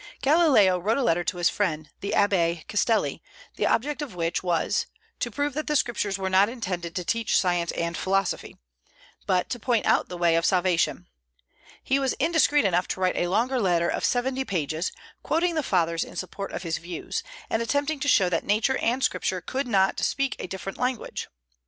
Galileo wrote a letter to his friend the Abbé Castelli, the object of which was "to prove that the Scriptures were not intended to teach science and philosophy," but to point out the way of salvation. He was indiscreet enough to write a longer letter of seventy pages, quoting the Fathers in support of his views, and attempting to show that Nature and Scripture could not speak a different language.